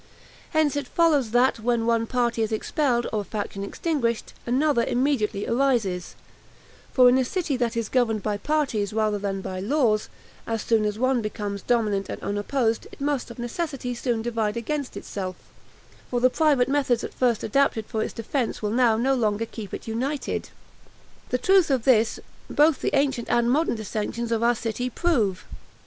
Hence it follows that, when one party is expelled, or faction extinguished, another immediately arises; for, in a city that is governed by parties rather than by laws, as soon as one becomes dominant and unopposed, it must of necessity soon divide against itself; for the private methods at first adapted for its defense will now no longer keep it united. The truth of this, both the ancient and modern dissensions of our city prove.